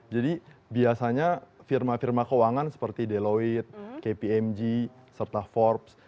jadi biasanya firma firma keuangan seperti deloitte kpmg serta forbes